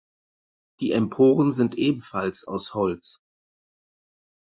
Die Emporen sind ebenfalls aus Holz.